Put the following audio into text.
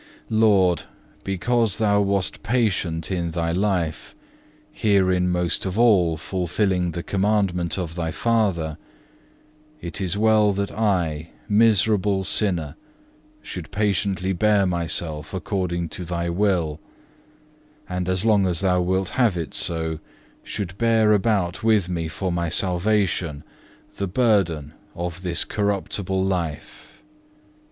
2. Lord, because Thou wast patient in Thy life, herein most of all fulfilling the commandment of Thy Father, it is well that I, miserable sinner, should patiently bear myself according to Thy will, and as long as Thou wilt have it so, should bear about with me for my salvation, the burden of this corruptible life.